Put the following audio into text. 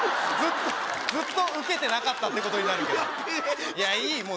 ずっとずっとウケてなかったってことになるよいやいい